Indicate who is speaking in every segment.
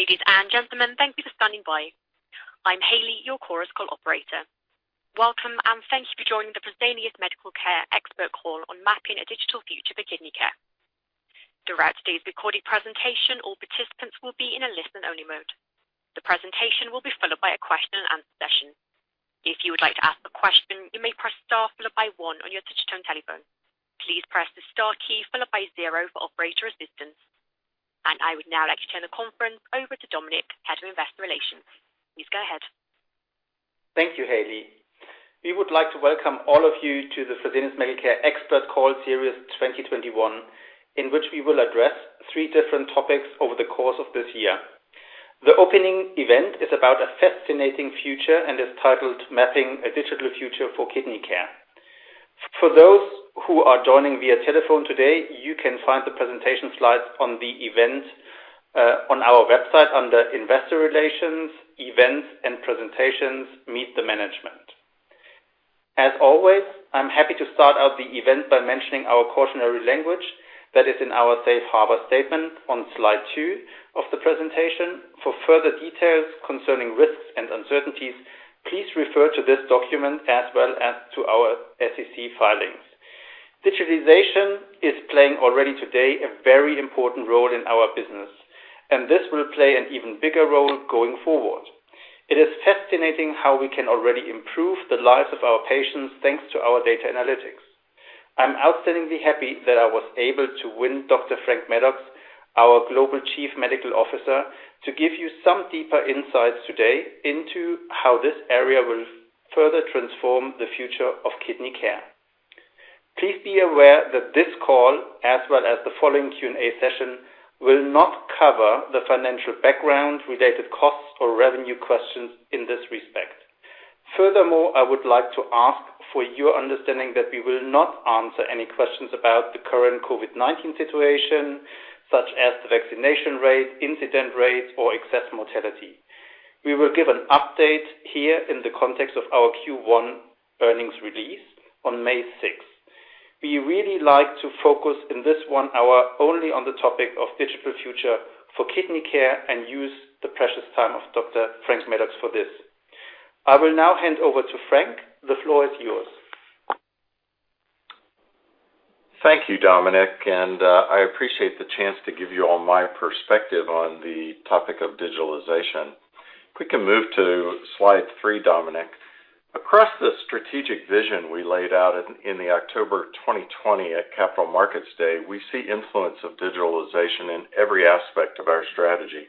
Speaker 1: Ladies and gentlemen, thank you for standing by. I'm Hailey, your Chorus Call operator. Welcome, and thank you for joining the Fresenius Medical Care Expert Call on Mapping a Digital Future for Kidney Care. Throughout today's recorded presentation, all participants will be in a listen-only mode. The presentation will be followed by a question-and-answer session. If you would like to ask a question, you may press star followed by one on your touch-tone telephone. Please press the star key followed by zero for operator assistance. I would now like to turn the conference over to Dominik, Head of Investor Relations. Please go ahead.
Speaker 2: Thank you, Hailey. We would like to welcome all of you to the Fresenius Medical Care Expert Call Series 2021, in which we will address three different topics over the course of this year. The opening event is about a fascinating future and is titled Mapping a Digital Future for Kidney Care. For those who are joining via telephone today, you can find the presentation slides on the event, on our website under Investor Relations, Events and Presentations, Meet the Management. As always, I'm happy to start out the event by mentioning our cautionary language that is in our safe harbor statement on slide two of the presentation. For further details concerning risks and uncertainties, please refer to this document as well as to our SEC filings. Digitalization is playing already today a very important role in our business, and this will play an even bigger role going forward. It is fascinating how we can already improve the lives of our patients, thanks to our data analytics. I'm outstandingly happy that I was able to win Dr. Frank Maddux, our Global Chief Medical Officer, to give you some deeper insights today into how this area will further transform the future of kidney care. Please be aware that this call, as well as the following Q&A session, will not cover the financial background, related costs, or revenue questions in this respect. Furthermore, I would like to ask for your understanding that we will not answer any questions about the current COVID-19 situation, such as the vaccination rate, incident rates, or excess mortality. We will give an update here in the context of our Q1 earnings release on May 6th. We really like to focus in this one hour only on the topic of digital future for kidney care and use the precious time of Dr. Frank Maddux for this. I will now hand over to Frank. The floor is yours.
Speaker 3: Thank you, Dominik. I appreciate the chance to give you all my perspective on the topic of digitalization. If we can move to slide three, Dominik. Across the strategic vision we laid out in the October 2020 at Capital Markets Day, we see influence of digitalization in every aspect of our strategy.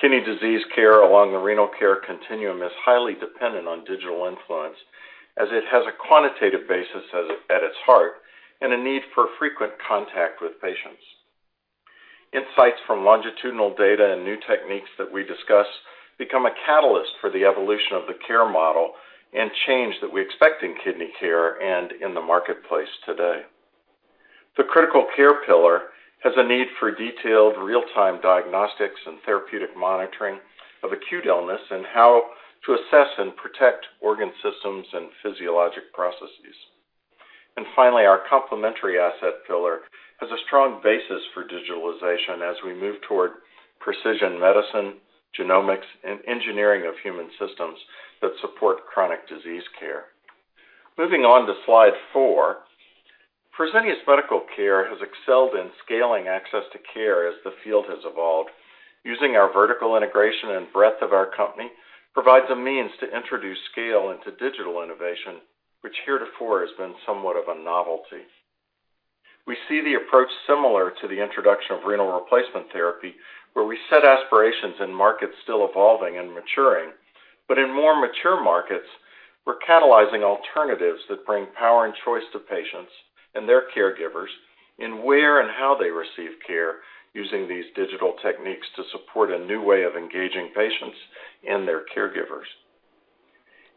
Speaker 3: Kidney disease care along the renal care continuum is highly dependent on digital influence, as it has a quantitative basis at its heart and a need for frequent contact with patients. Insights from longitudinal data and new techniques that we discuss become a catalyst for the evolution of the care model and change that we expect in kidney care and in the marketplace today. The critical care pillar has a need for detailed real-time diagnostics and therapeutic monitoring of acute illness and how to assess and protect organ systems and physiologic processes. Finally, our complementary asset pillar has a strong basis for digitalization as we move toward precision medicine, genomics, and engineering of human systems that support chronic disease care. Moving on to slide four. Fresenius Medical Care has excelled in scaling access to care as the field has evolved. Using our vertical integration and breadth of our company provides a means to introduce scale into digital innovation, which heretofore has been somewhat of a novelty. We see the approach similar to the introduction of renal replacement therapy, where we set aspirations in markets still evolving and maturing. In more mature markets, we're catalyzing alternatives that bring power and choice to patients and their caregivers in where and how they receive care using these digital techniques to support a new way of engaging patients and their caregivers.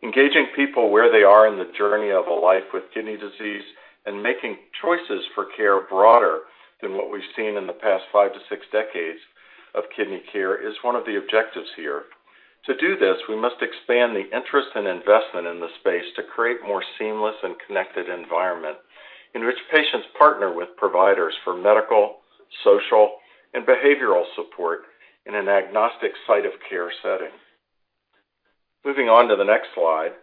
Speaker 3: Engaging people where they are in the journey of a life with kidney disease and making choices for care broader than what we've seen in the past five to six decades of kidney care is one of the objectives here. To do this, we must expand the interest and investment in the space to create more seamless and connected environment in which patients partner with providers for medical, social, and behavioral support in an agnostic site of care setting. Moving on to the next slide.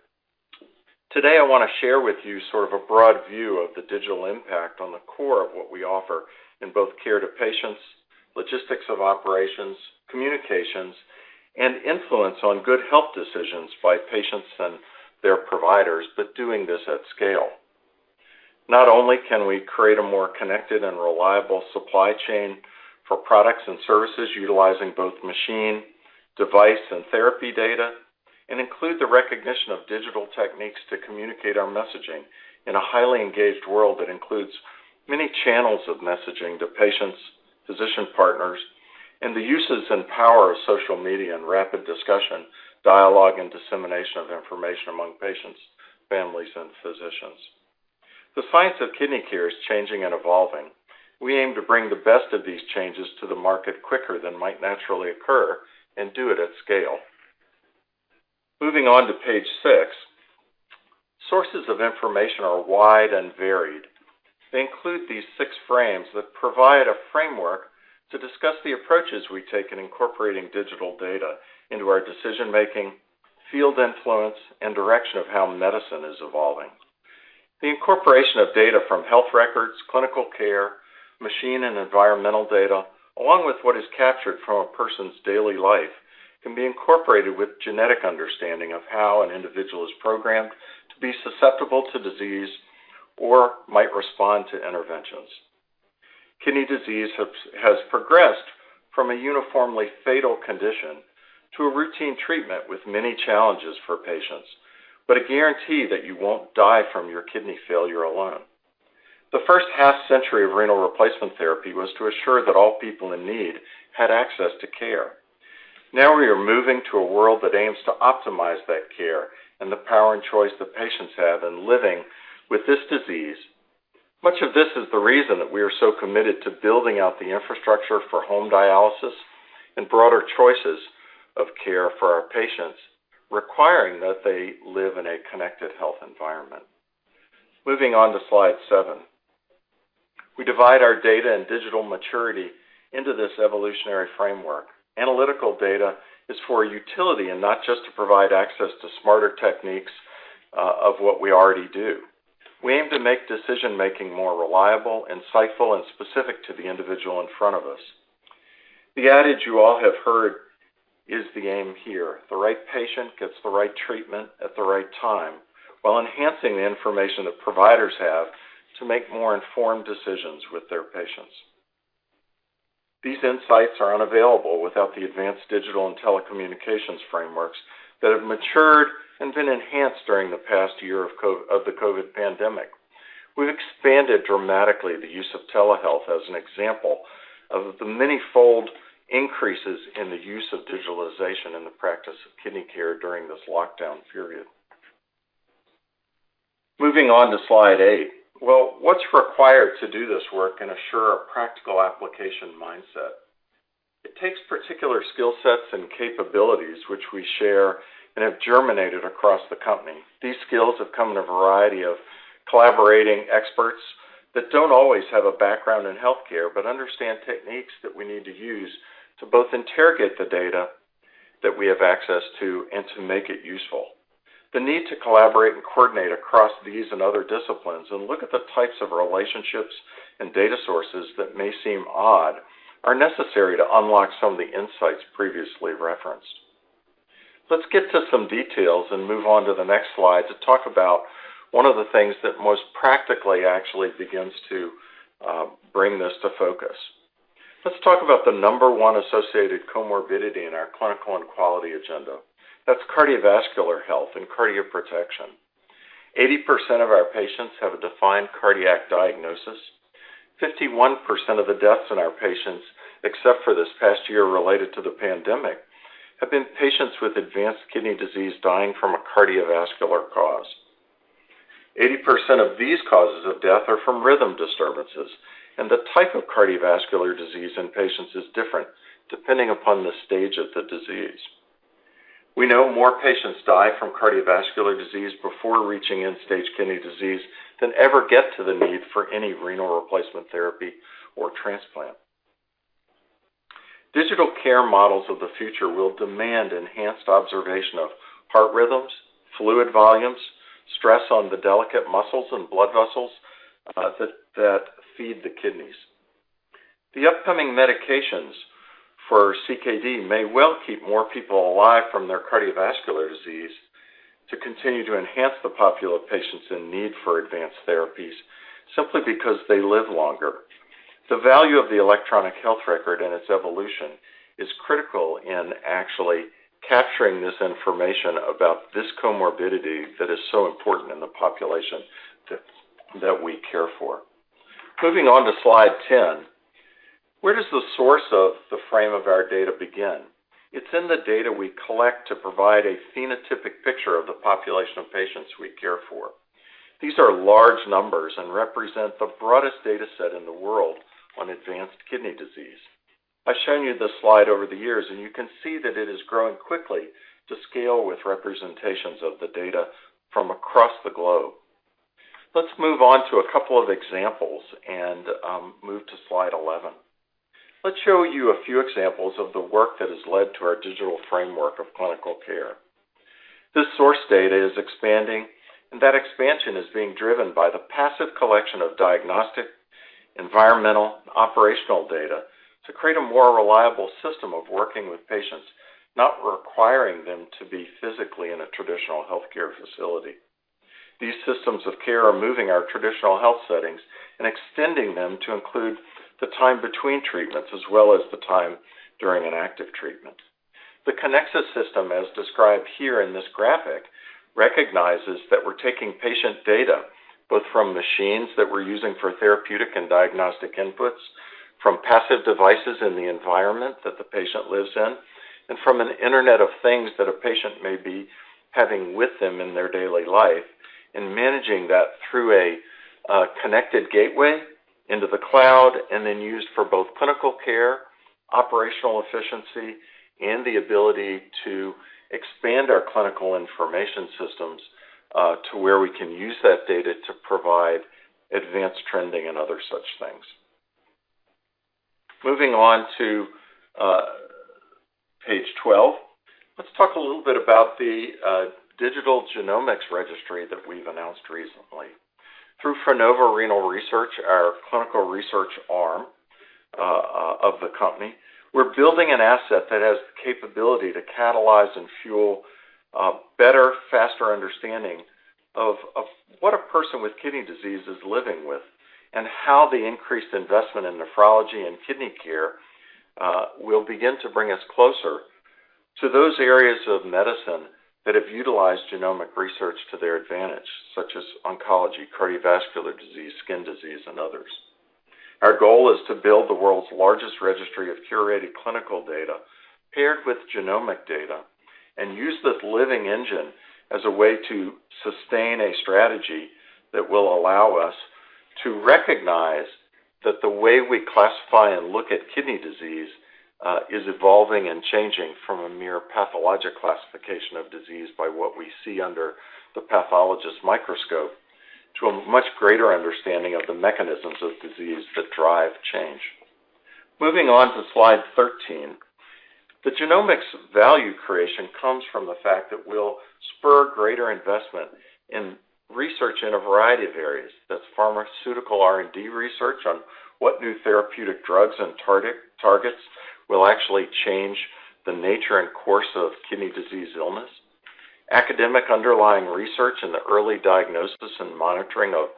Speaker 3: Today, I want to share with you sort of a broad view of the digital impact on the core of what we offer in both care to patients, logistics of operations, communications, and influence on good health decisions by patients and their providers, but doing this at scale. Not only can we create a more connected and reliable supply chain for products and services utilizing both machine, device, and therapy data, and include the recognition of digital techniques to communicate our messaging in a highly engaged world that includes many channels of messaging to patients, physician partners, and the uses and power of social media and rapid discussion, dialogue, and dissemination of information among patients, families, and physicians. The science of kidney care is changing and evolving. We aim to bring the best of these changes to the market quicker than might naturally occur and do it at scale. Moving on to page six. Sources of information are wide and varied. They include these six frames that provide a framework to discuss the approaches we take in incorporating digital data into our decision-making, field influence, and direction of how medicine is evolving. The incorporation of data from health records, clinical care, machine and environmental data, along with what is captured from a person's daily life, can be incorporated with generic understanding of how an individual is programmed to be susceptible to disease or might respond to interventions. Kidney disease has progressed from a uniformly fatal condition to a routine treatment with many challenges for patients, but a guarantee that you won't die from your kidney failure alone. The first half-century of renal replacement therapy was to assure that all people in need had access to care. Now we are moving to a world that aims to optimize that care and the power and choice that patients have in living with this disease. Much of this is the reason that we are so committed to building out the infrastructure for home dialysis and broader choices of care for our patients, requiring that they live in a connected health environment. Moving on to slide seven. We divide our data and digital maturity into this evolutionary framework. Analytical data is for utility and not just to provide access to smarter techniques of what we already do. We aim to make decision-making more reliable, insightful, and specific to the individual in front of us. The adage you all have heard is the aim here. The right patient gets the right treatment at the right time, while enhancing the information that providers have to make more informed decisions with their patients. These insights are unavailable without the advanced digital and telecommunications frameworks that have matured and been enhanced during the past year of the COVID pandemic. We've expanded dramatically the use of telehealth as an example of the many-fold increases in the use of digitalization in the practice of kidney care during this lockdown period. Moving on to slide eight. Well, what's required to do this work and assure a practical application mindset? It takes particular skill sets and capabilities which we share and have germinated across the company. These skills have come in a variety of collaborating experts that don't always have a background in healthcare but understand techniques that we need to use to both interrogate the data that we have access to and to make it useful. The need to collaborate and coordinate across these and other disciplines and look at the types of relationships and data sources that may seem odd, are necessary to unlock some of the insights previously referenced. Let's get to some details and move on to the next slide to talk about one of the things that most practically actually begins to bring this to focus. Let's talk about the number one associated comorbidity in our clinical and quality agenda. That's cardiovascular health and cardioprotection. 80% of our patients have a defined cardiac diagnosis. 51% of the deaths in our patients, except for this past year related to the pandemic, have been patients with advanced kidney disease dying from a cardiovascular cause. 80% of these causes of death are from rhythm disturbances, and the type of cardiovascular disease in patients is different depending upon the stage of the disease. We know more patients die from cardiovascular disease before reaching end-stage kidney disease than ever get to the need for any renal replacement therapy or transplant. Digital care models of the future will demand enhanced observation of heart rhythms, fluid volumes, stress on the delicate muscles and blood vessels that feed the kidneys. The upcoming medications for CKD may well keep more people alive from their cardiovascular disease to continue to enhance the popular patients in need for advanced therapies simply because they live longer. The value of the electronic health record and its evolution is critical in actually capturing this information about this comorbidity that is so important in the population that we care for. Moving on to slide 10. Where does the source of the frame of our data begin? It's in the data we collect to provide a phenotypic picture of the population of patients we care for. These are large numbers and represent the broadest data set in the world on advanced kidney disease. I've shown you this slide over the years. You can see that it is growing quickly to scale with representations of the data from across the globe. Let's move on to a couple of examples and move to slide 11. Let's show you a few examples of the work that has led to our digital framework of clinical care. This source data is expanding. That expansion is being driven by the passive collection of diagnostic, environmental, and operational data to create a more reliable system of working with patients, not requiring them to be physically in a traditional healthcare facility. These systems of care are moving our traditional health settings and extending them to include the time between treatments as well as the time during an active treatment. The Kinexus system, as described here in this graphic, recognizes that we're taking patient data, both from machines that we're using for therapeutic and diagnostic inputs, from passive devices in the environment that the patient lives in, and from an Internet of Things that a patient may be having with them in their daily life and managing that through a connected gateway into the cloud, and then used for both clinical care, operational efficiency and the ability to expand our clinical information systems to where we can use that data to provide advanced trending and other such things. Moving on to page 12, let's talk a little bit about the digital genomics registry that we've announced recently. Through Frenova Renal Research, our clinical research arm of the company, we're building an asset that has the capability to catalyze and fuel a better, faster understanding of what a person with kidney disease is living with, and how the increased investment in nephrology and kidney care will begin to bring us closer to those areas of medicine that have utilized genomic research to their advantage, such as oncology, cardiovascular disease, skin disease, and others. Our goal is to build the world's largest registry of curated clinical data paired with genomic data, and use this living engine as a way to sustain a strategy that will allow us to recognize that the way we classify and look at kidney disease is evolving and changing from a mere pathologic classification of disease by what we see under the pathologist's microscope, to a much greater understanding of the mechanisms of disease that drive change. Moving on to slide 13. The genomics value creation comes from the fact that we'll spur greater investment in research in a variety of areas. That's pharmaceutical R&D research on what new therapeutic drugs and targets will actually change the nature and course of kidney disease illness. Academic underlying research in the early diagnosis and monitoring of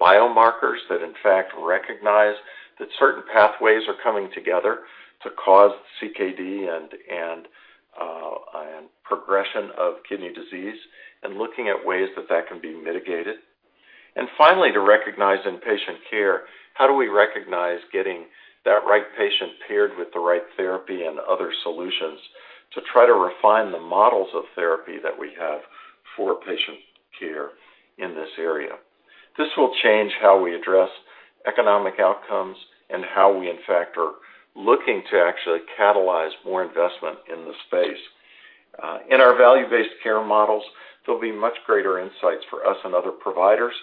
Speaker 3: biomarkers that, in fact, recognize that certain pathways are coming together to cause CKD and progression of kidney disease, and looking at ways that that can be mitigated. Finally, to recognize in patient care, how do we recognize getting that right patient paired with the right therapy and other solutions to try to refine the models of therapy that we have for patient care in this area? This will change how we address economic outcomes and how we, in fact, are looking to actually catalyze more investment in the space. In our value-based care models, there'll be much greater insights for us and other providers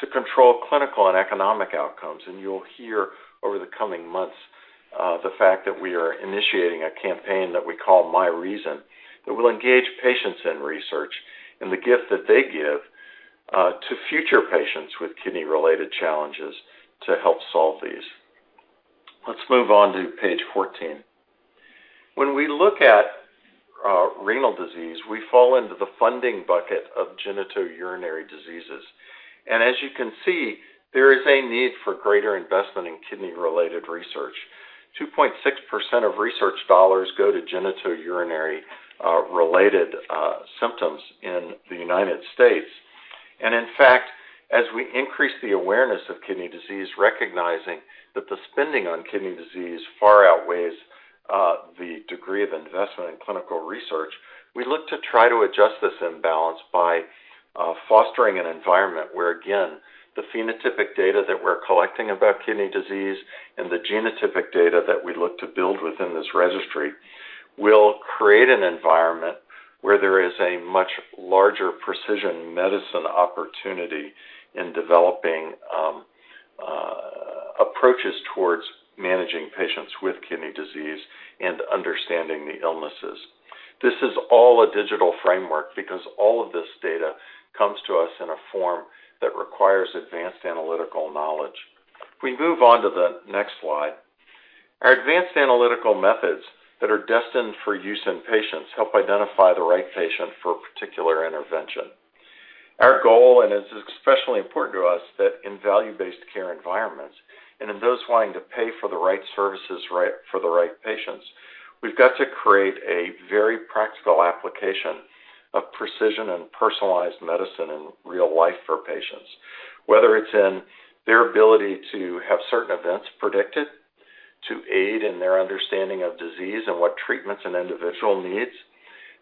Speaker 3: to control clinical and economic outcomes. You'll hear over the coming months, the fact that we are initiating a campaign that we call My Reason, that will engage patients in research and the gift that they give to future patients with kidney-related challenges to help solve these. Let's move on to page 14. When we look at renal disease, we fall into the funding bucket of genitourinary diseases. As you can see, there is a need for greater investment in kidney-related research. 2.6% of research dollars go to genitourinary-related symptoms in the United States. In fact, as we increase the awareness of kidney disease, recognizing that the spending on kidney disease far outweighs the degree of investment in clinical research, we look to try to adjust this imbalance by fostering an environment where, again, the phenotypic data that we're collecting about kidney disease and the genotypic data that we look to build within this registry will create an environment where there is a much larger precision medicine opportunity in developing approaches towards managing patients with kidney disease and understanding the illnesses. This is all a digital framework because all of this data comes to us in a form that requires advanced analytical knowledge. If we move on to the next slide. Our advanced analytical methods that are destined for use in patients help identify the right patient for a particular intervention. Our goal, and it's especially important to us, that in value-based care environments and in those wanting to pay for the right services for the right patients, we've got to create a very practical application of precision and personalized medicine in real life for patients. Whether it's in their ability to have certain events predicted to aid in their understanding of disease and what treatments an individual needs,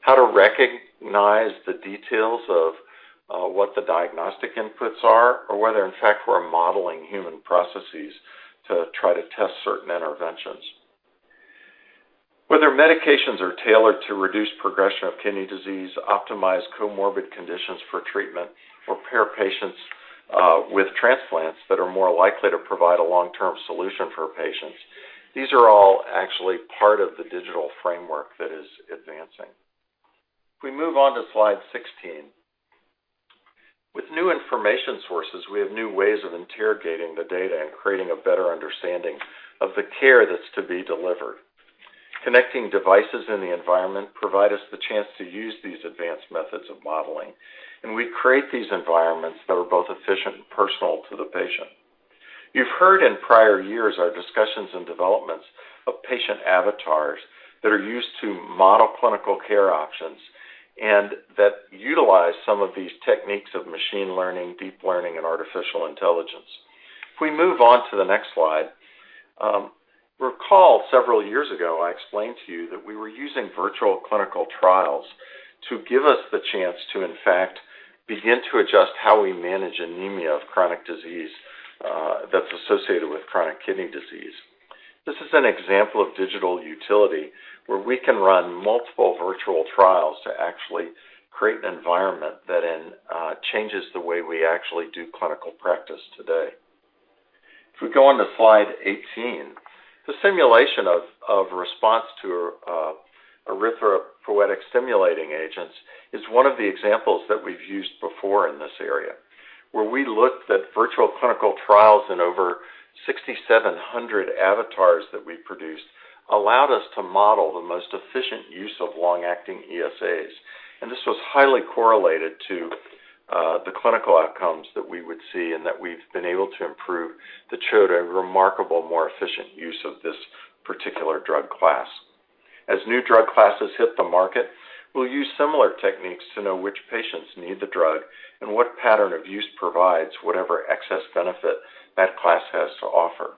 Speaker 3: how to recognize the details of what the diagnostic inputs are, or whether, in fact, we're modeling human processes to try to test certain interventions. Whether medications are tailored to reduce progression of kidney disease, optimize comorbid conditions for treatment, or pair patients with transplants that are more likely to provide a long-term solution for patients. These are all actually part of the digital framework that is advancing. If we move on to slide 16. With new information sources, we have new ways of interrogating the data and creating a better understanding of the care that's to be delivered. Connecting devices in the environment provide us the chance to use these advanced methods of modeling, and we create these environments that are both efficient and personal to the patient. You've heard in prior years our discussions and developments of patient avatars that are used to model clinical care options and that utilize some of these techniques of machine learning, deep learning, and artificial intelligence. If we move on to the next slide. Recall several years ago, I explained to you that we were using virtual clinical trials to give us the chance to, in fact, begin to adjust how we manage anemia of chronic disease that's associated with chronic kidney disease. This is an example of digital utility, where we can run multiple virtual trials to actually create an environment that then changes the way we actually do clinical practice today. If we go on to slide 18, the simulation of response to erythropoiesis-stimulating agents is one of the examples that we've used before in this area, where we looked at virtual clinical trials in over 6,700 avatars that we produced, allowed us to model the most efficient use of long-acting ESAs. This was highly correlated to the clinical outcomes that we would see and that we've been able to improve that showed a remarkable, more efficient use of this particular drug class. As new drug classes hit the market, we'll use similar techniques to know which patients need the drug and what pattern of use provides whatever excess benefit that class has to offer.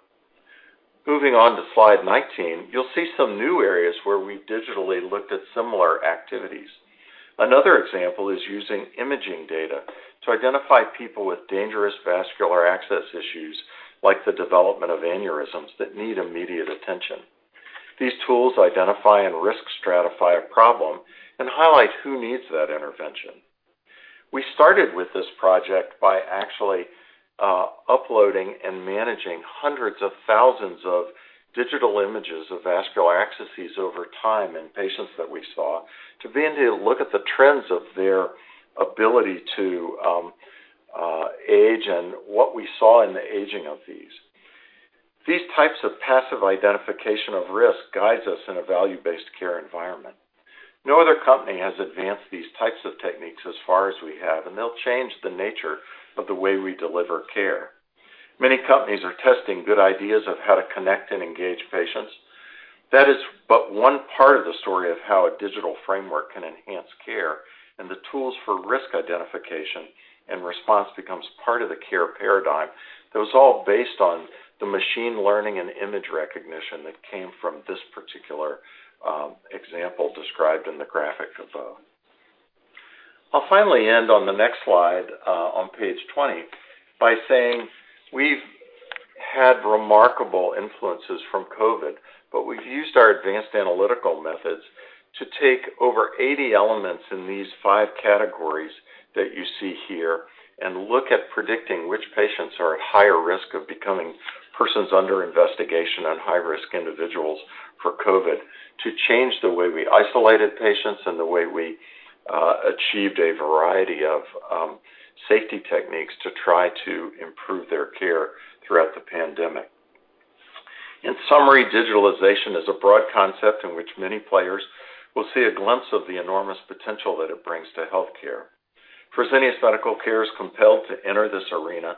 Speaker 3: Moving on to slide 19, you'll see some new areas where we digitally looked at similar activities. Another example is using imaging data to identify people with dangerous vascular access issues, like the development of aneurysms that need immediate attention. These tools identify and risk stratify a problem and highlight who needs that intervention. We started with this project by actually uploading and managing hundreds of thousands of digital images of vascular accesses over time in patients that we saw to begin to look at the trends of their ability to age and what we saw in the aging of these. These types of passive identification of risk guides us in a value-based care environment. No other company has advanced these types of techniques as far as we have. They'll change the nature of the way we deliver care. Many companies are testing good ideas of how to connect and engage patients. That is but one part of the story of how a digital framework can enhance care, and the tools for risk identification and response becomes part of the care paradigm that was all based on the machine learning and image recognition that came from this particular example described in the graphic above. I'll finally end on the next slide, on page 20, by saying we've had remarkable influences from COVID, but we've used our advanced analytical methods to take over 80 elements in these five categories that you see here and look at predicting which patients are at higher risk of becoming persons under investigation on high-risk individuals for COVID to change the way we isolated patients and the way we achieved a variety of safety techniques to try to improve their care throughout the pandemic. In summary, digitalization is a broad concept in which many players will see a glimpse of the enormous potential that it brings to healthcare. Fresenius Medical Care is compelled to enter this arena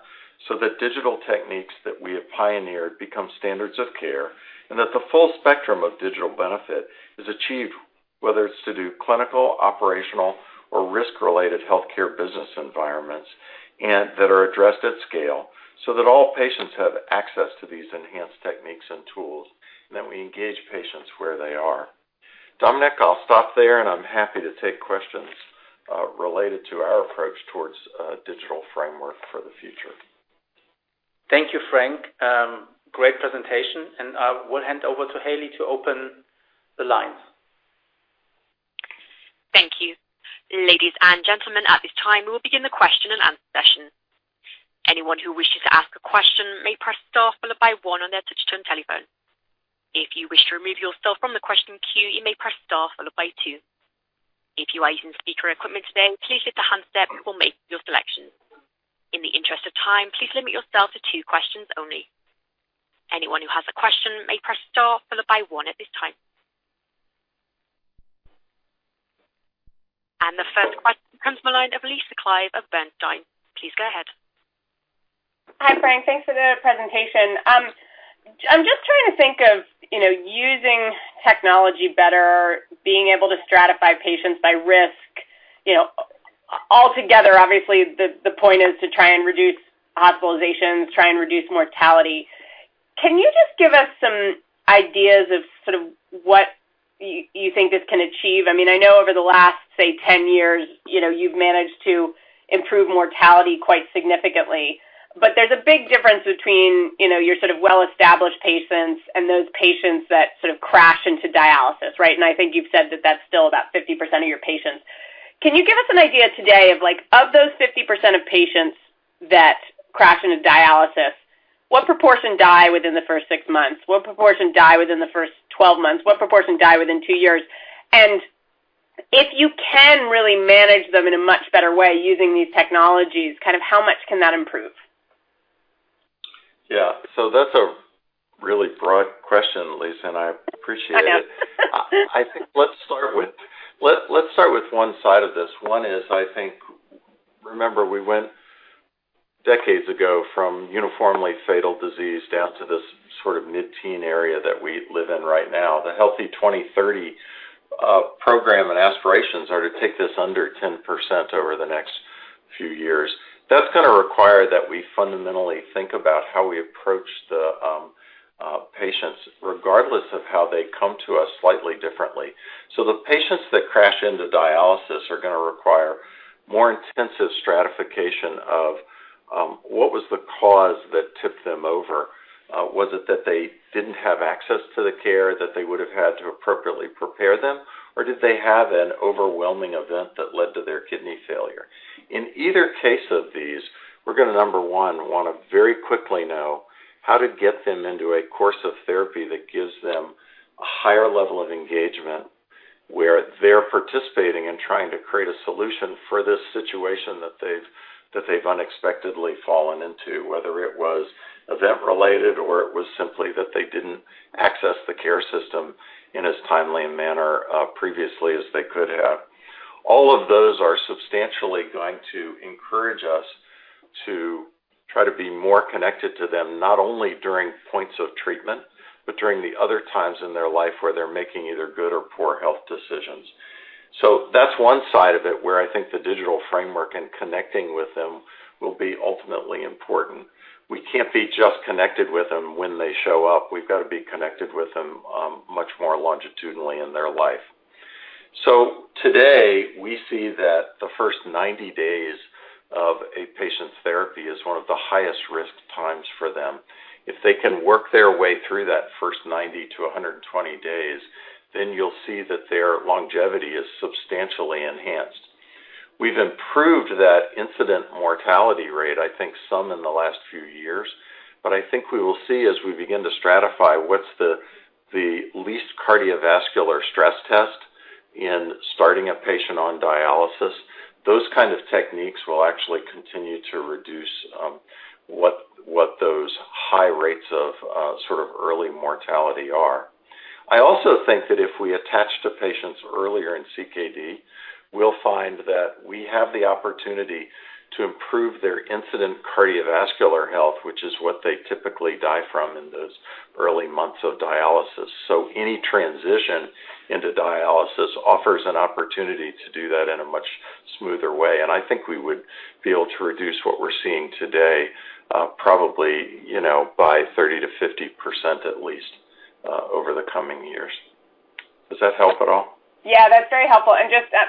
Speaker 3: so that digital techniques that we have pioneered become standards of care, and that the full spectrum of digital benefit is achieved, whether it's to do clinical, operational, or risk-related healthcare business environments, and that are addressed at scale, so that all patients have access to these enhanced techniques and tools, and that we engage patients where they are. Dominik, I'll stop there, and I'm happy to take questions related to our approach towards a digital framework for the future.
Speaker 2: Thank you, Frank. Great presentation, and I will hand over to Hailey to open the lines.
Speaker 1: Thank you. Ladies and gentlemen, at this time, we will begin the question-and-answer session. Anyone who wishes to ask a question may press star followed by one on their touch-tone telephone. If you wish to remove yourself from the question queue, you may press star followed by two. If you are using speaker equipment today, please lift the handset before making your selection. In the interest of time, please limit yourself to two questions only. Anyone who has a question may press star followed by one at this time. The first question comes from the line of Lisa Clive of Bernstein. Please go ahead.
Speaker 4: Hi, Frank. Thanks for the presentation. I'm just trying to think of using technology better, being able to stratify patients by risk altogether. Obviously, the point is to try and reduce hospitalizations, try and reduce mortality. Can you just give us some ideas of sort of what you think this can achieve? I know over the last, say, 10 years, you've managed to improve mortality quite significantly, but there's a big difference between your sort of well-established patients and those patients that sort of crash into dialysis, right? I think you've said that that's still about 50% of your patients. Can you give us an idea today of, like, of those 50% of patients that crash into dialysis, what proportion die within the first six months? What proportion die within the first 12 months? What proportion die within two years? If you can really manage them in a much better way using these technologies, how much can that improve?
Speaker 3: Yeah. That's a really broad question, Lisa, and I appreciate it.
Speaker 4: I know.
Speaker 3: I think let's start with one side of this. One is, I think, remember, we went decades ago from uniformly fatal disease down to this sort of mid-teen area that we live in right now. The Healthy 2030 program and aspirations are to take this under 10% over the next few years. That's going to require that we fundamentally think about how we approach patients, regardless of how they come to us slightly differently. The patients that crash into dialysis are going to require more intensive stratification of what was the cause that tipped them over. Was it that they didn't have access to the care that they would've had to appropriately prepare them, or did they have an overwhelming event that led to their kidney failure? In either case of these, we're going to, number one, want to very quickly know how to get them into a course of therapy that gives them a higher level of engagement, where they're participating and trying to create a solution for this situation that they've unexpectedly fallen into, whether it was event-related or it was simply that they didn't access the care system in as timely a manner previously as they could have. All of those are substantially going to encourage us to try to be more connected to them, not only during points of treatment, but during the other times in their life where they're making either good or poor health decisions. That's one side of it, where I think the digital framework and connecting with them will be ultimately important. We can't be just connected with them when they show up. We've got to be connected with them much more longitudinally in their life. Today, we see that the first 90 days of a patient's therapy is one of the highest risk times for them. If they can work their way through that first 90-120 days, then you'll see that their longevity is substantially enhanced. We've improved that incident mortality rate, I think, some in the last few years, but I think we will see as we begin to stratify what's the least cardiovascular stress test in starting a patient on dialysis. Those kind of techniques will actually continue to reduce what those high rates of early mortality are. I also think that if we attach to patients earlier in CKD, we'll find that we have the opportunity to improve their incident cardiovascular health, which is what they typically die from in those early months of dialysis. Any transition into dialysis offers an opportunity to do that in a much smoother way, and I think we would be able to reduce what we're seeing today, probably by 30%-50% at least over the coming years. Does that help at all?
Speaker 4: Yeah, that's very helpful.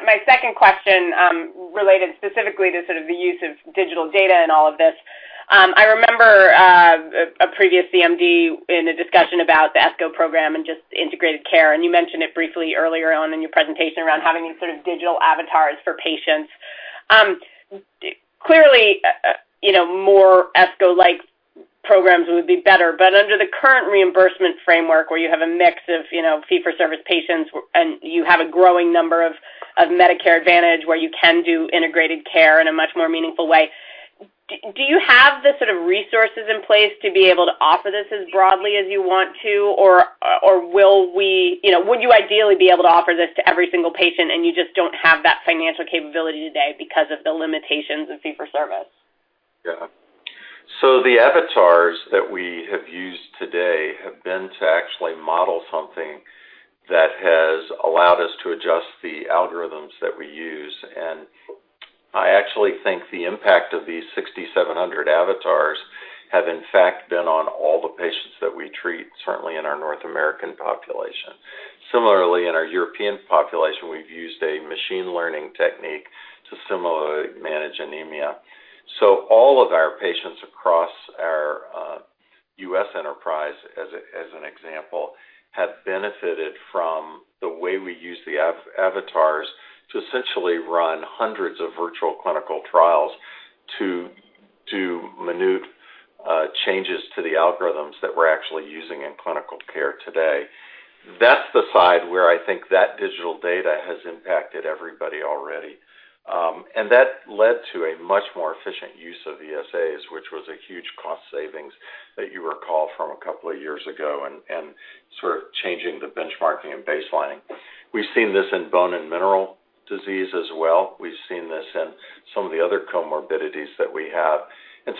Speaker 4: My second question related specifically to the use of digital data in all of this. I remember a previous CMD in a discussion about the ESCO program and just integrated care, and you mentioned it briefly earlier on in your presentation around having these digital avatars for patients. Clearly, more ESCO-like programs would be better, but under the current reimbursement framework where you have a mix of fee-for-service patients, and you have a growing number of Medicare Advantage where you can do integrated care in a much more meaningful way, do you have the sort of resources in place to be able to offer this as broadly as you want to, or would you ideally be able to offer this to every single patient and you just don't have that financial capability today because of the limitations of fee-for-service?
Speaker 3: The avatars that we have used today have been to actually model something that has allowed us to adjust the algorithms that we use, and I actually think the impact of these 6,700 avatars have in fact been on all the patients that we treat, certainly in our North American population. Similarly, in our European population, we've used a machine learning technique to similarly manage anemia. All of our patients across our U.S. enterprise, as an example, have benefited from the way we use the avatars to essentially run hundreds of virtual clinical trials to do minute changes to the algorithms that we're actually using in clinical care today. That's the side where I think that digital data has impacted everybody already. That led to a much more efficient use of ESAs, which was a huge cost savings that you recall from a couple of years ago, and sort of changing the benchmarking and baselining. We've seen this in bone and mineral disease as well. We've seen this in some of the other comorbidities that we have.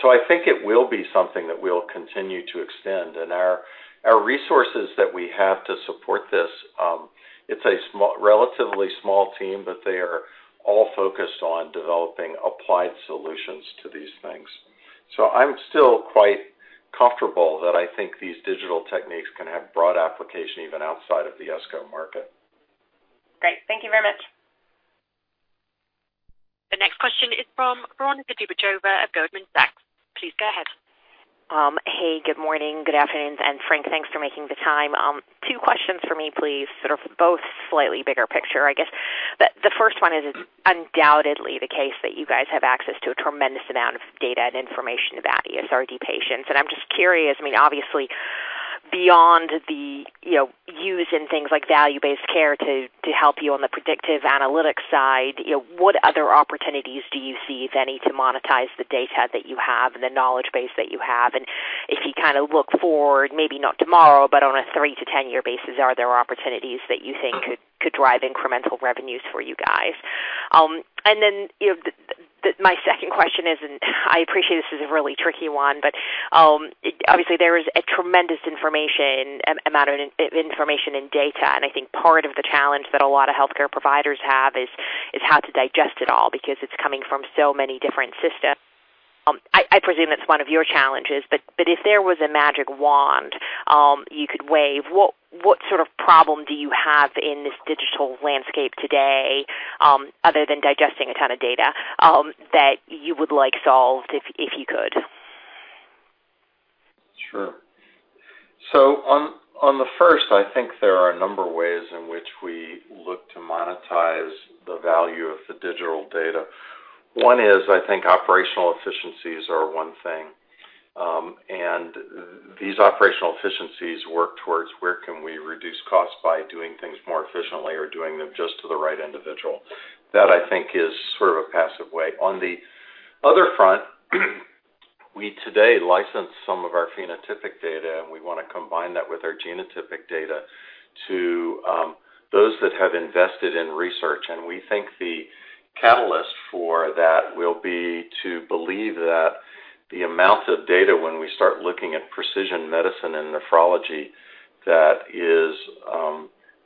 Speaker 3: So I think it will be something that we'll continue to extend. Our resources that we have to support this, it's a relatively small team, but they are all focused on developing applied solutions to these things. So I'm still quite comfortable that I think these digital techniques can have broad application even outside of the ESCO market.
Speaker 4: Great. Thank you very much.
Speaker 1: The next question is from Veronika Dubajova of Goldman Sachs. Please go ahead.
Speaker 5: Hey, good morning, good afternoon, and Frank, thanks for making the time. Two questions for me, please, sort of both slightly bigger picture, I guess. The first one is undoubtedly the case that you guys have access to a tremendous amount of data and information about ESRD patients. I'm just curious, obviously, beyond the use in things like value-based care to help you on the predictive analytics side, what other opportunities do you see, if any, to monetize the data that you have and the knowledge base that you have? If you look forward, maybe not tomorrow, but on a 3-10 year basis, are there opportunities that you think could drive incremental revenues for you guys? My second question is, and I appreciate this is a really tricky one, obviously there is a tremendous amount of information and data, I think part of the challenge that a lot of healthcare providers have is how to digest it all, because it's coming from so many different systems. I presume it's one of your challenges, but if there was a magic wand you could wave, what sort of problem do you have in this digital landscape today, other than digesting a ton of data, that you would like solved if you could?
Speaker 3: Sure. On the first, I think there are a number of ways in which we look to monetize the value of the digital data. One is, I think operational efficiencies are one thing. These operational efficiencies work towards where can we reduce costs by doing things more efficiently or doing them just to the right individual. That, I think, is sort of a passive way. On the other front, we today license some of our phenotypic data, and we want to combine that with our genotypic data to those that have invested in research. We think the catalyst for that will be to believe that the amount of data, when we start looking at precision medicine and nephrology, that is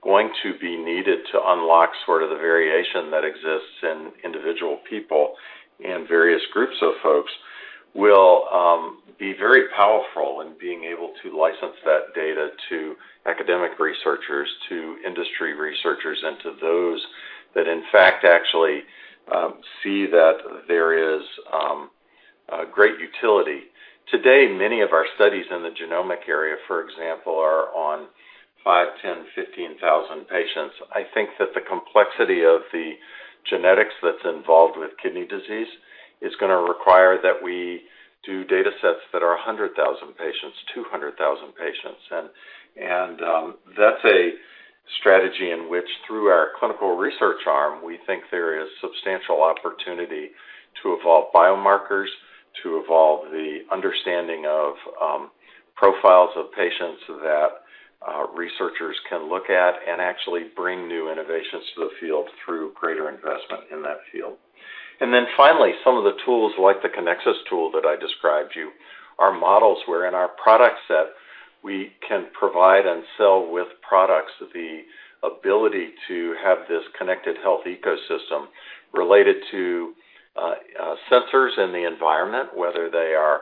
Speaker 3: going to be needed to unlock sort of the variation that exists in individual people and various groups of folks, will be very powerful in being able to license that data to academic researchers, to industry researchers, and to those that, in fact, actually see that there is great utility. Today, many of our studies in the genomic area, for example, are on 5,000, 10,000, 15,000 patients. I think that the complexity of the genetics that's involved with kidney disease is going to require that we do data sets that are 100,000 patients, 200,000 patients. That's a strategy in which, through our clinical research arm, we think there is substantial opportunity to evolve biomarkers, to evolve the understanding of profiles of patients that researchers can look at and actually bring new innovations to the field through greater investment in that field. Finally, some of the tools, like the Kinexus tool that I described to you, are models where in our product set we can provide and sell with products the ability to have this connected health ecosystem related to sensors in the environment, whether they are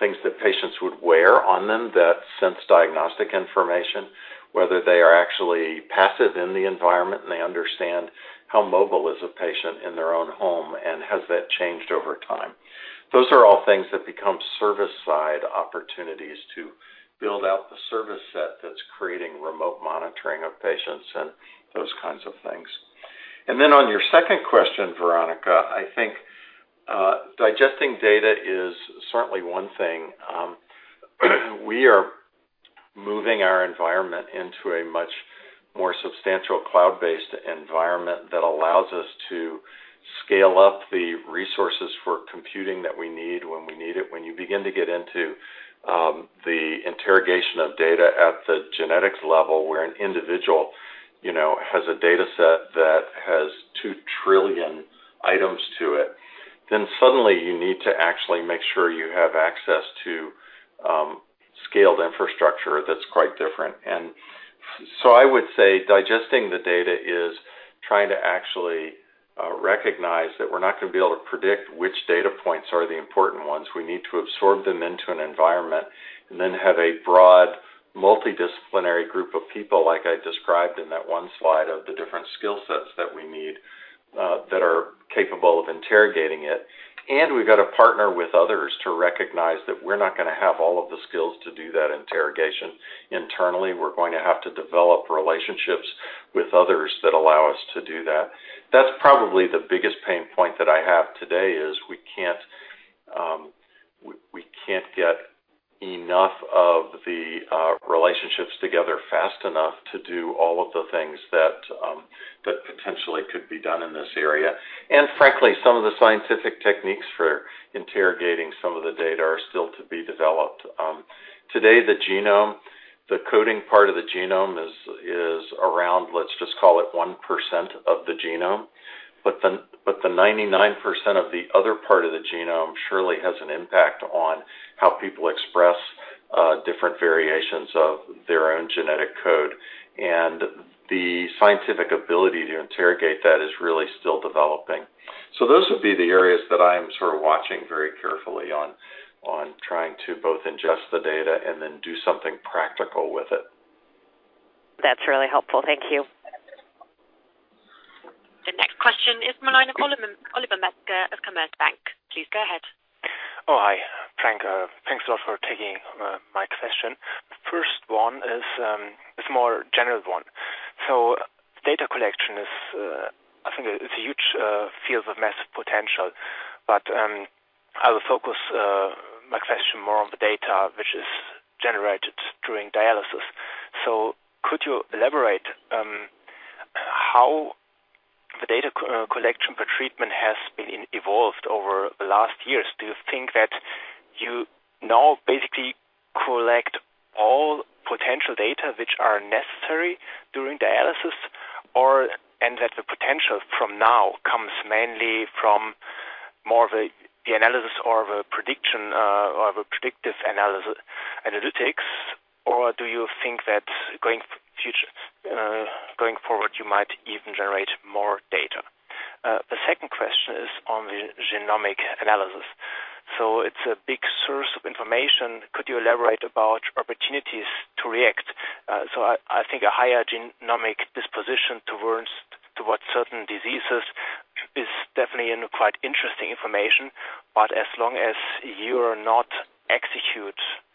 Speaker 3: things that patients would wear on them that sense diagnostic information, whether they are actually passive in the environment and they understand how mobile is a patient in their own home and has that changed over time. Those are all things that become service-side opportunities to build out the service set that's creating remote monitoring of patients and those kinds of things. On your second question, Veronika, I think digesting data is certainly one thing. We are moving our environment into a much more substantial cloud-based environment that allows us to scale up the resources for computing that we need when we need it. When you begin to get into the interrogation of data at the genetics level, where an individual has a data set that has 2 trillion items to it, then suddenly you need to actually make sure you have access to scaled infrastructure that's quite different. I would say digesting the data is trying to actually recognize that we're not going to be able to predict which data points are the important ones. We need to absorb them into an environment and then have a broad, multidisciplinary group of people, like I described in that one slide, of the different skill sets that we need, that are capable of interrogating it. We've got to partner with others to recognize that we're not going to have all of the skills to do that interrogation internally. We're going to have to develop relationships with others that allow us to do that. That's probably the biggest pain point that I have today, is we can't get enough of the relationships together fast enough to do all of the things that potentially could be done in this area. Frankly, some of the scientific techniques for interrogating some of the data are still to be developed. Today, the genome, the coding part of the genome is around, let's just call it 1% of the genome. The 99% of the other part of the genome surely has an impact on how people express different variations of their own genetic code. The scientific ability to interrogate that is really still developing. Those would be the areas that I am sort of watching very carefully on trying to both ingest the data and then do something practical with it.
Speaker 5: That's really helpful. Thank you.
Speaker 1: The next question is from Oliver Metzger of Commerzbank. Please go ahead.
Speaker 6: Oh, hi. Frank, thanks a lot for taking my question. First one is more general one. Data collection is, I think it's a huge field with massive potential, but I will focus my question more on the data which is generated during dialysis. Could you elaborate how the data collection per treatment has been evolved over the last years? Do you think that you now basically collect all potential data which are necessary during dialysis, and that the potential from now comes mainly from more of the analysis or of a predictive analytics? Or do you think that going forward, you might even generate more data? The second question is on the genomic analysis. It's a big source of information. Could you elaborate about opportunities to react? I think a higher genomic disposition towards certain diseases is definitely quite interesting information, but as long as you are not executing the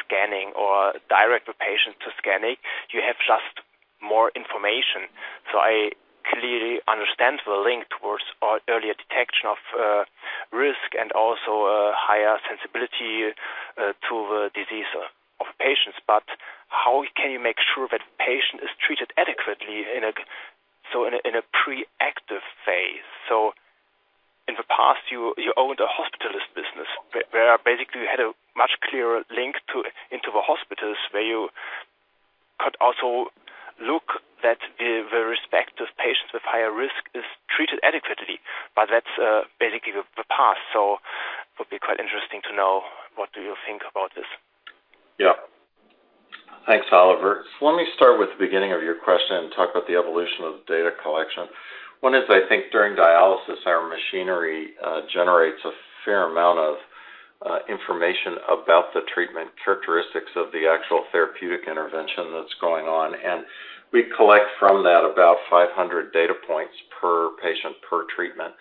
Speaker 6: scanning or direct the patient to scanning, you have just more information. I clearly understand the link towards earlier detection of risk and also higher susceptibility to the disease of patients, but how can you make sure that patient is treated adequately in a pre-active phase? In the past, you owned a hospitalist business where basically you had a much clearer link into the hospitals where you could also look that the respective patients with higher risk is treated adequately. That's basically the past, so would be quite interesting to know what do you think about this?
Speaker 3: Thanks, Oliver. Let me start with the beginning of your question and talk about the evolution of data collection. One is, I think during dialysis, our machinery generates a fair amount of information about the treatment characteristics of the actual therapeutic intervention that's going on, and we collect from that about 500 data points per patient per treatment.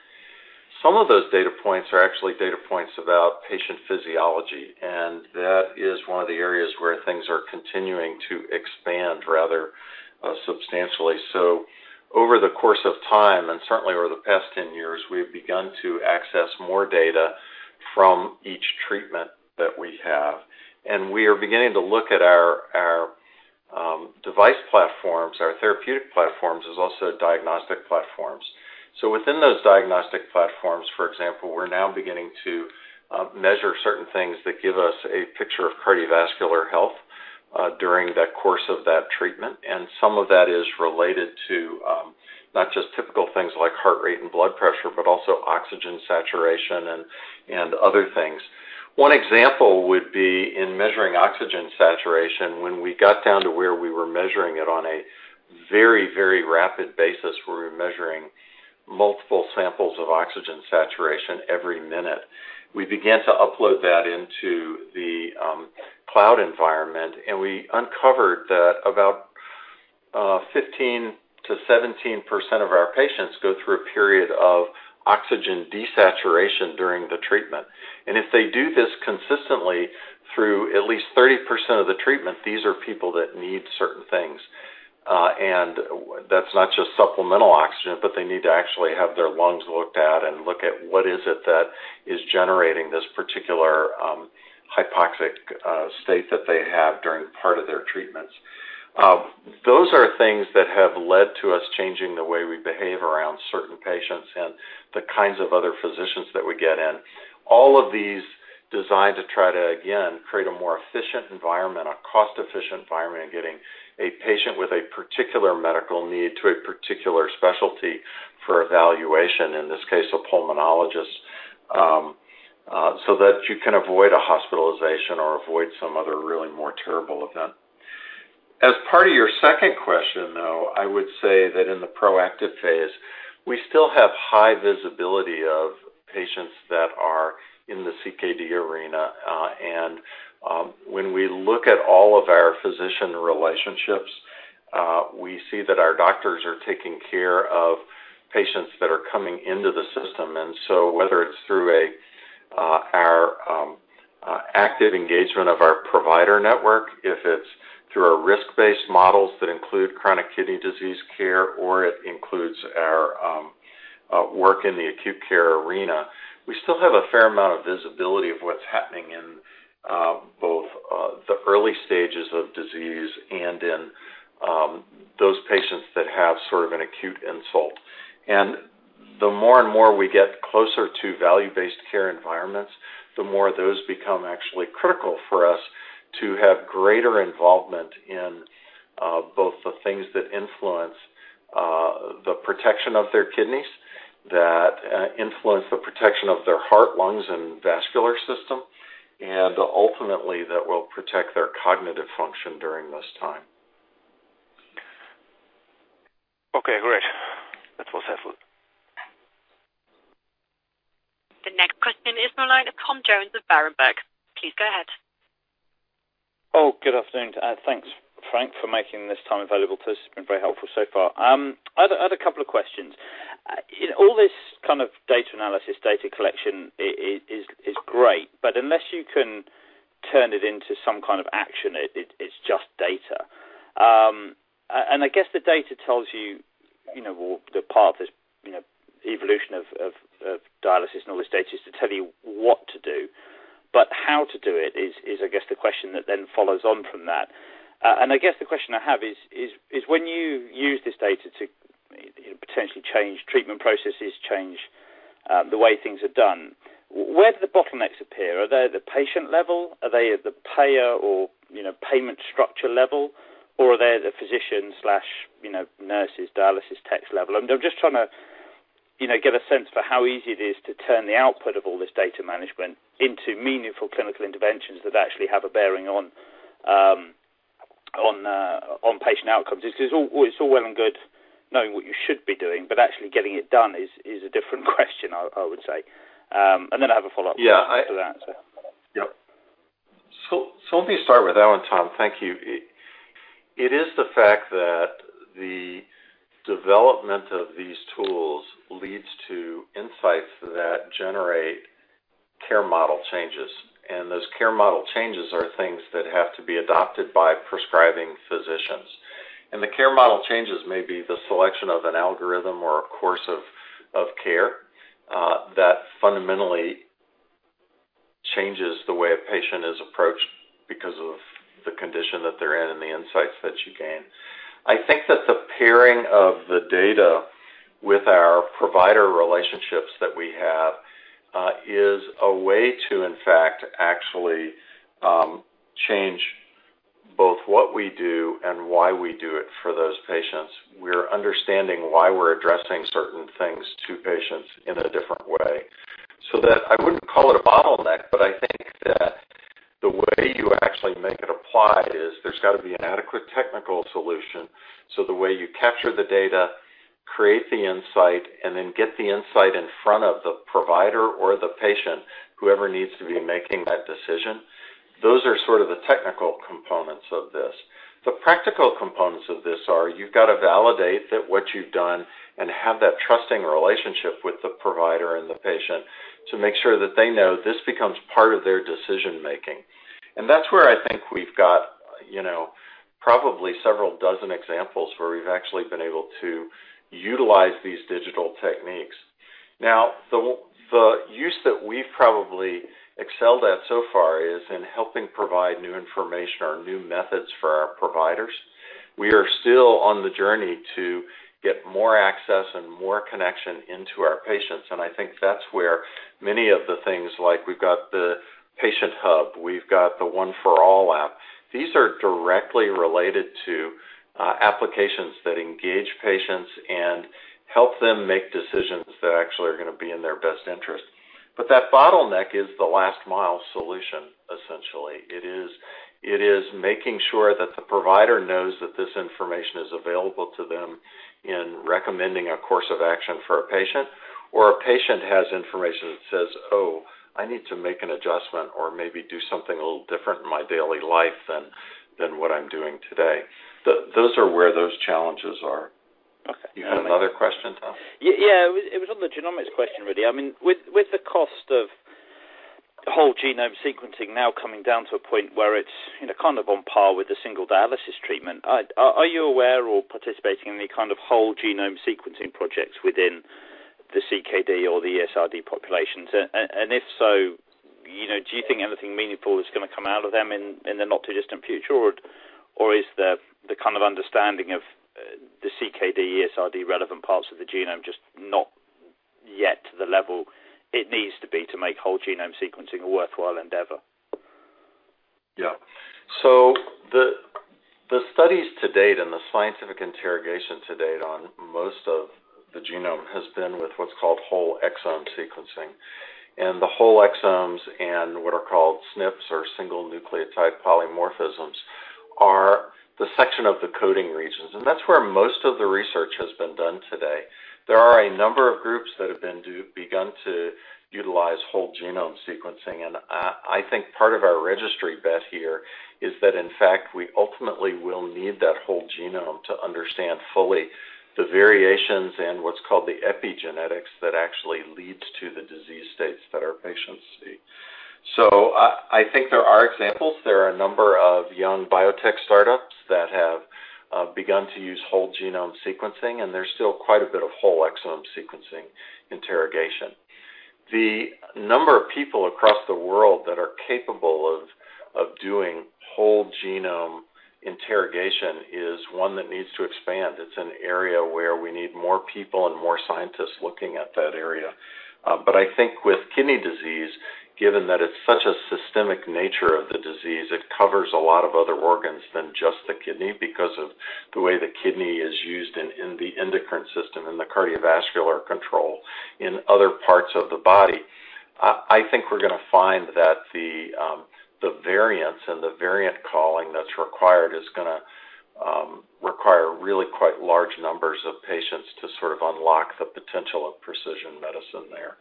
Speaker 3: Some of those data points are actually data points about patient physiology, and that is one of the areas where things are continuing to expand rather substantially. Over the course of time, and certainly over the past 10 years, we've begun to access more data from each treatment that we have. We are beginning to look at our device platforms, our therapeutic platforms as also diagnostic platforms. Within those diagnostic platforms, for example, we're now beginning to measure certain things that give us a picture of cardiovascular health during the course of that treatment. Some of that is related to not just typical things like heart rate and blood pressure, but also oxygen saturation and other things. One example would be in measuring oxygen saturation when we got down to where we were measuring it on a very, very rapid basis, where we were measuring multiple samples of oxygen saturation every minute. We began to upload that into the cloud environment, and we uncovered that about 15%-17% of our patients go through a period of oxygen desaturation during the treatment. If they do this consistently through at least 30% of the treatment, these are people that need certain things. That's not just supplemental oxygen, but they need to actually have their lungs looked at and look at what is it that is generating this particular hypoxic state that they have during part of their treatments. Those are things that have led to us changing the way we behave around certain patients and the kinds of other physicians that we get in. All of these designed to try to, again, create a more efficient environment, a cost-efficient environment in getting a patient with a particular medical need to a particular specialty for evaluation, in this case, a pulmonologist, so that you can avoid a hospitalization or avoid some other really more terrible event. As part of your second question, though, I would say that in the proactive phase, we still have high visibility of patients that are in the CKD arena. When we look at all of our physician relationships, we see that our doctors are taking care of patients that are coming into the system. Whether it's through our active engagement of our provider network, if it's through our risk-based models that include chronic kidney disease care, or it includes our work in the acute care arena, we still have a fair amount of visibility of what's happening in both the early stages of disease and in those patients that have sort of an acute insult. The more and more we get closer to value-based care environments, the more those become actually critical for us to have greater involvement in both the things that influence the protection of their kidneys, that influence the protection of their heart, lungs, and vascular system, and ultimately, that will protect their cognitive function during this time.
Speaker 6: Okay, great. That was helpful.
Speaker 1: The next question is the line of Tom Jones of Berenberg. Please go ahead.
Speaker 7: Good afternoon. Thanks, Frank, for making this time available to us. It's been very helpful so far. I had a couple of questions. All this kind of data analysis, data collection is great, but unless you can turn it into some kind of action, it's just data. I guess the data tells you the part, this evolution of dialysis and all this data is to tell you what to do, but how to do it is I guess the question that follows on from that. I guess the question I have is when you use this data to potentially change treatment processes, change the way things are done, where do the bottlenecks appear? Are they at the patient level? Are they at the payer or payment structure level? Or are they at the physician/nurses, dialysis techs level? I'm just trying to get a sense for how easy it is to turn the output of all this data management into meaningful clinical interventions that actually have a bearing on patient outcomes. It's all well and good knowing what you should be doing, but actually getting it done is a different question, I would say. I have a follow-up after you answer.
Speaker 3: Yep. Let me start with that one, Tom. Thank you. It is the fact that the development of these tools leads to insights that generate care model changes, and those care model changes are things that have to be adopted by prescribing physicians. The care model changes may be the selection of an algorithm or a course of care that fundamentally changes the way a patient is approached because of the condition that they're in and the insights that you gain. I think that the pairing of the data with our provider relationships that we have is a way to, in fact, actually change both what we do and why we do it for those patients. We're understanding why we're addressing certain things to patients in a different way. That I wouldn't call it a bottleneck, but I think that the way you actually make it apply is there's got to be an adequate technical solution. The way you capture the data, create the insight, and then get the insight in front of the provider or the patient, whoever needs to be making that decision. Those are sort of the technical components of this. The practical components of this are you've got to validate that what you've done and have that trusting relationship with the provider and the patient to make sure that they know this becomes part of their decision-making. That's where I think we've got probably several dozen examples where we've actually been able to utilize these digital techniques. Now, the use that we've probably excelled at so far is in helping provide new information or new methods for our providers. We are still on the journey to get more access and more connection into our patients, and I think that's where many of the things like we've got the PatientHub, we've got the One4all app. These are directly related to applications that engage patients and help them make decisions that actually are going to be in their best interest. That bottleneck is the last mile solution, essentially. It is making sure that the provider knows that this information is available to them in recommending a course of action for a patient, or a patient has information that says, "Oh, I need to make an adjustment or maybe do something a little different in my daily life than what I'm doing today." Those are where those challenges are.
Speaker 7: Okay.
Speaker 3: You had another question, Tom?
Speaker 7: Yeah. It was on the genomics question, really. With the cost of whole-genome sequencing now coming down to a point where it's on par with a single dialysis treatment, are you aware or participating in any kind of whole-genome sequencing projects within the CKD or the ESRD populations? If so, do you think anything meaningful is going to come out of them in the not-too-distant future, or is the kind of understanding of the CKD, ESRD-relevant parts of the genome just not yet to the level it needs to be to make whole-genome sequencing a worthwhile endeavor?
Speaker 3: Yeah. The studies to date and the scientific interrogation to date on most of the genome has been with what's called whole exome sequencing. The whole exomes and what are called SNPs or single nucleotide polymorphisms are the section of the coding regions, and that's where most of the research has been done today. There are a number of groups that have begun to utilize whole genome sequencing, and I think part of our registry bet here is that, in fact, we ultimately will need that whole genome to understand fully the variations in what's called the epigenetics that actually leads to the disease states that our patients see. I think there are examples. There are a number of young biotech start-ups that have begun to use whole genome sequencing, and there's still quite a bit of whole exome sequencing interrogation. The number of people across the world that are capable of doing whole genome interrogation is one that needs to expand. It's an area where we need more people and more scientists looking at that area. I think with kidney disease, given that it's such a systemic nature of the disease, it covers a lot of other organs than just the kidney because of the way the kidney is used in the endocrine system and the cardiovascular control in other parts of the body. I think we're going to find that the variance and the variant calling that's required is going to require really quite large numbers of patients to sort of unlock the potential of precision medicine there.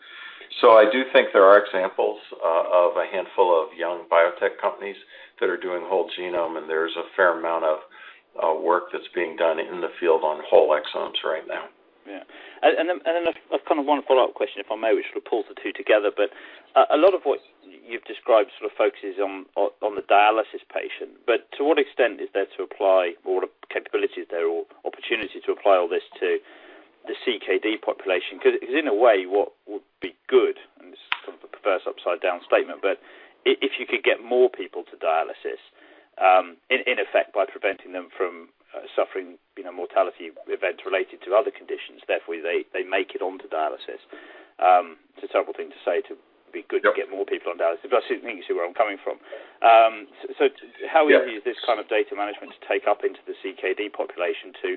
Speaker 3: I do think there are examples of a handful of young biotech companies that are doing whole genome, and there's a fair amount of work that's being done in the field on whole exomes right now.
Speaker 7: Yeah. I've kind of one follow-up question, if I may. We should pull the two together. A lot of what you've described sort of focuses on the dialysis patient, but to what extent is there to apply more capabilities there or opportunity to apply all this to the CKD population? In a way, what would be good, and this is sort of a perverse upside-down statement, but if you could get more people to dialysis, in effect by preventing them from suffering mortality events related to other conditions, therefore they make it onto dialysis. It's a terrible thing to say to get more people on dialysis, but I think you see where I'm coming from. How easy is this kind of data management to take up into the CKD population to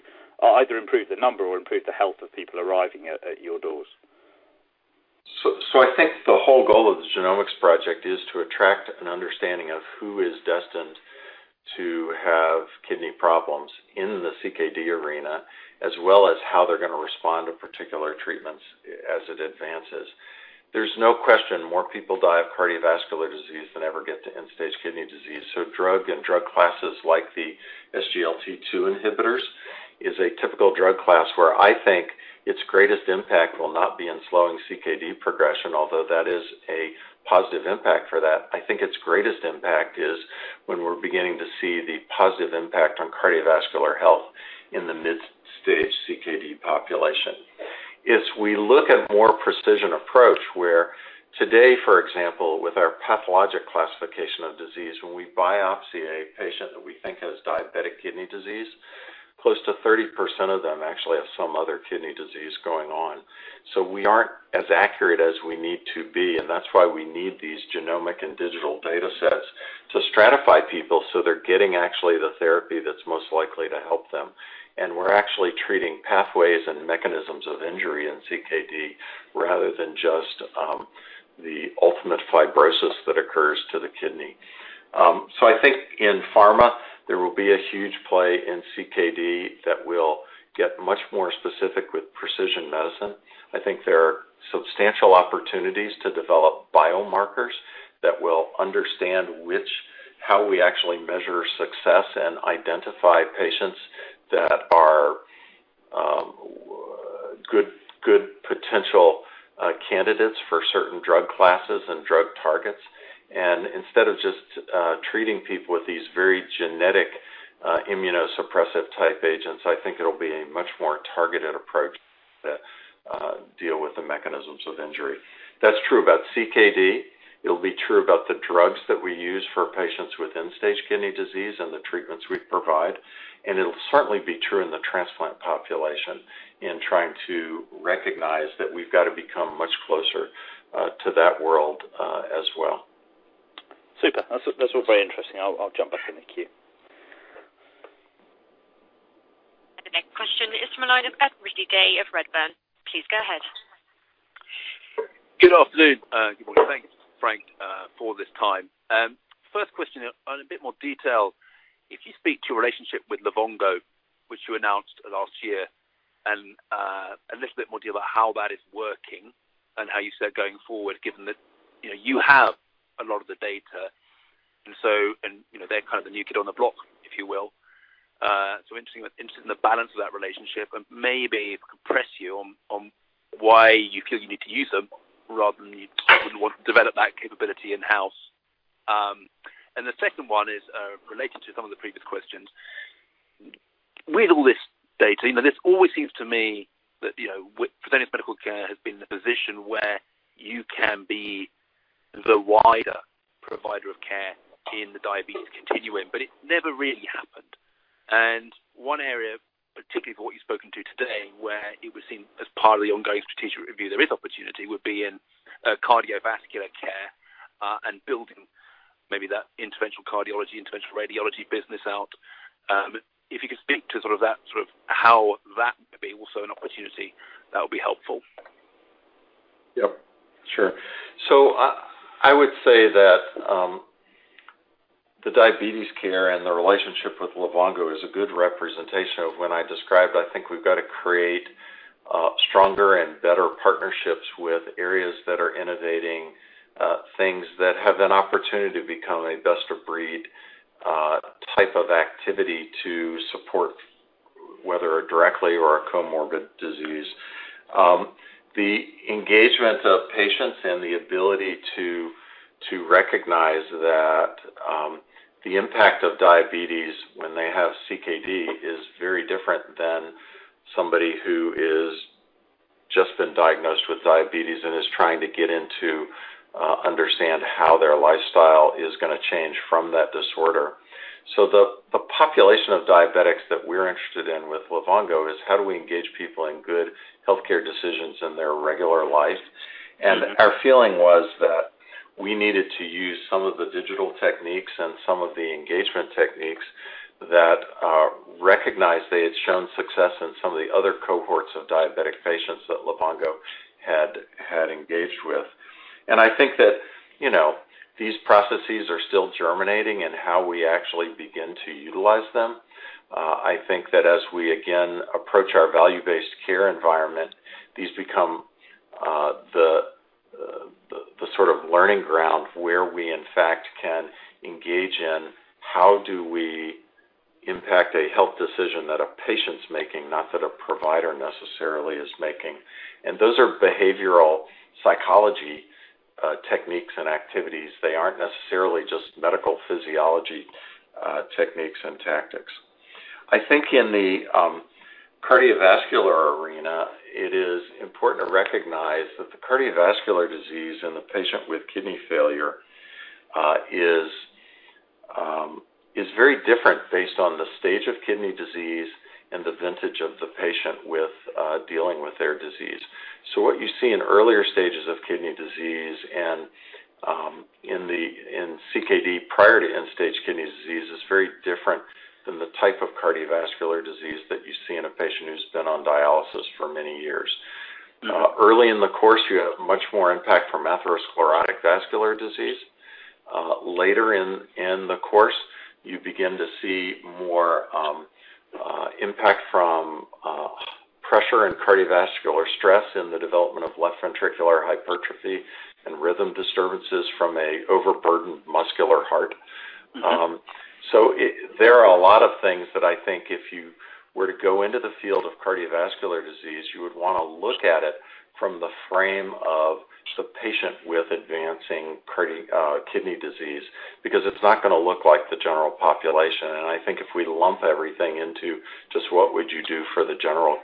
Speaker 7: either improve the number or improve the health of people arriving at your doors?
Speaker 3: I think the whole goal of the genomics project is to extract an understanding of who is destined to have kidney problems in the CKD arena, as well as how they're going to respond to particular treatments as it advances. There's no question more people die of cardiovascular disease than ever get to end-stage kidney disease. Drug and drug classes like the SGLT2 inhibitors is a typical drug class where I think its greatest impact will not be in slowing CKD progression, although that is a positive impact for that. I think its greatest impact is when we're beginning to see the positive impact on cardiovascular health in the mid-stage CKD population. As we look at more precision approach, where today, for example, with our pathologic classification of disease, when we biopsy a patient that we think has diabetic kidney disease, close to 30% of them actually have some other kidney disease going on. We aren't as accurate as we need to be, and that's why we need these genomic and digital data sets to stratify people so they're getting actually the therapy that's most likely to help them. We're actually treating pathways and mechanisms of injury in CKD rather than just the ultimate fibrosis that occurs to the kidney. I think in pharma, there will be a huge play in CKD that will get much more specific with precision medicine. I think there are substantial opportunities to develop biomarkers that will understand how we actually measure success and identify patients that are good potential candidates for certain drug classes and drug targets. Instead of just treating people with these very genetic immunosuppressive-type agents, I think it'll be a much more targeted approach that deal with the mechanisms of injury. That's true about CKD. It'll be true about the drugs that we use for patients with end-stage kidney disease and the treatments we provide, and it'll certainly be true in the transplant population in trying to recognize that we've got to become much closer to that world as well.
Speaker 7: Super. That's all very interesting. I'll jump back in the queue.
Speaker 1: The next question is from the line of Ed Ridley-Day of Redburn. Please go ahead.
Speaker 8: Good afternoon. Good morning. Thank you, Frank, for this time. First question on a bit more detail. If you speak to your relationship with Livongo, which you announced last year, and a little bit more detail about how that is working and how you see that going forward, given that you have a lot of the data and they're the new kid on the block, if you will. Interested in the balance of that relationship and maybe press you on why you feel you need to use them rather than you wouldn't want to develop that capability in-house. The second one is related to some of the previous questions. With all this data, this always seems to me that Fresenius Medical Care has been in the position where you can be the wider provider of care in the diabetes continuum, but it never really happened. One area, particularly for what you've spoken to today, where it would seem as part of the ongoing strategic review there is opportunity, would be in cardiovascular care, and building maybe that interventional cardiology, interventional radiology business out. If you could speak to how that may be also an opportunity, that would be helpful.
Speaker 3: Yep. Sure. I would say that the diabetes care and the relationship with Livongo is a good representation of when I described, I think we've got to create stronger and better partnerships with areas that are innovating things that have an opportunity to become a best of breed type of activity to support, whether directly or a comorbid disease. The engagement of patients and the ability to recognize that the impact of diabetes when they have CKD is very different than somebody who has just been diagnosed with diabetes and is trying to get to understand how their lifestyle is going to change from that disorder. The population of diabetics that we're interested in with Livongo is how do we engage people in good healthcare decisions in their regular life? Our feeling was that we needed to use some of the digital techniques and some of the engagement techniques that are recognized. They had shown success in some of the other cohorts of diabetic patients that Livongo had engaged with. I think that these processes are still germinating in how we actually begin to utilize them. I think that as we again approach our value-based care environment, these become the sort of learning ground where we in fact can engage in how do we impact a health decision that a patient's making, not that a provider necessarily is making. Those are behavioral psychology techniques and activities. They aren't necessarily just medical physiology techniques and tactics. I think in the cardiovascular arena, it is important to recognize that the cardiovascular disease in the patient with kidney failure is very different based on the stage of kidney disease and the vintage of the patient dealing with their disease. What you see in earlier stages of kidney disease and in CKD prior to end-stage kidney disease is very different than the type of cardiovascular disease that you see in a patient who's been on dialysis for many years. Early in the course, you have much more impact from atherosclerotic vascular disease. Later in the course, you begin to see more impact from pressure and cardiovascular stress in the development of left ventricular hypertrophy and rhythm disturbances from a overburdened muscular heart. There are a lot of things that I think if you were to go into the field of cardiovascular disease, you would want to look at it from the frame of the patient with advancing kidney disease, because it's not going to look like the general population. I think if we lump everything into just what would you do for the general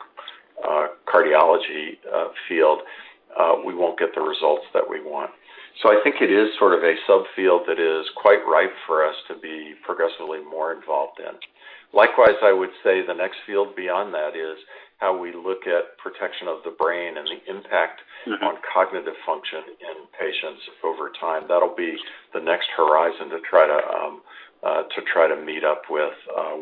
Speaker 3: cardiology field, we won't get the results that we want. I think it is sort of a subfield that is quite ripe for us to be progressively more involved in. Likewise, I would say the next field beyond that is how we look at protection of the brain and the impact on cognitive function in patients over time. That'll be the next horizon to try to meet up with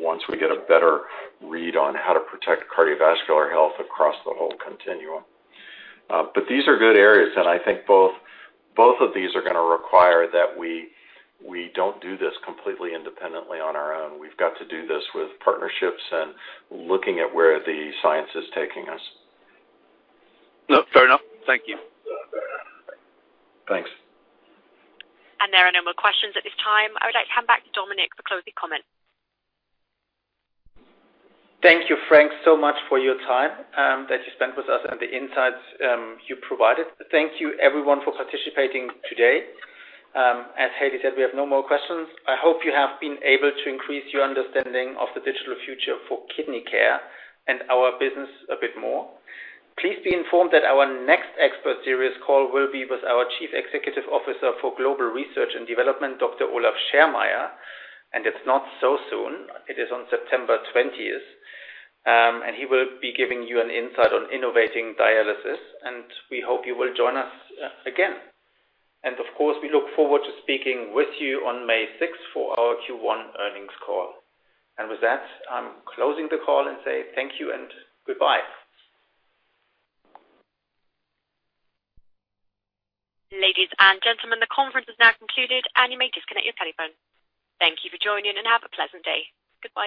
Speaker 3: once we get a better read on how to protect cardiovascular health across the whole continuum. These are good areas, and I think both of these are going to require that we don't do this completely independently on our own. We've got to do this with partnerships and looking at where the science is taking us.
Speaker 8: No, fair enough. Thank you.
Speaker 3: Thanks.
Speaker 1: There are no more questions at this time. I would like to hand back to Dominik for closing comments.
Speaker 2: Thank you, Frank, so much for your time that you spent with us and the insights you provided. Thank you everyone for participating today. As Hailey said, we have no more questions. I hope you have been able to increase your understanding of the digital future for kidney care and our business a bit more. Please be informed that our next expert series call will be with our Chief Executive Officer for Global Research and Development, Dr. Olaf Schermeier. It's not so soon. It is on September 20th. He will be giving you an insight on innovating dialysis, and we hope you will join us again. Of course, we look forward to speaking with you on May 6th for our Q1 earnings call. With that, I'm closing the call and say thank you and goodbye.
Speaker 1: Ladies and gentlemen, the conference is now concluded, and you may disconnect your telephone. Thank you for joining, and have a pleasant day. Goodbye.